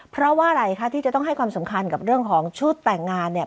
เพราะว่าอะไรคะที่จะต้องให้ความสำคัญกับเรื่องของชุดแต่งงานเนี่ย